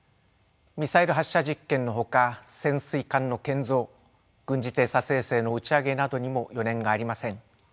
ミサイル発射実験のほか潜水艦の建造軍事偵察衛星の打ち上げなどにも余念がありません。